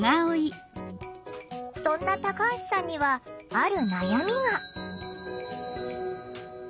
そんなタカハシさんにはある悩みが。